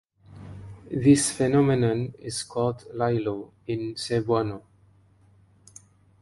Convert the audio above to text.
This phenomenon is called "lilo" in Cebuano.